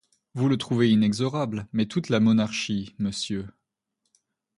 Vous le trouvez inexorable, mais toute la monarchie, monsieur?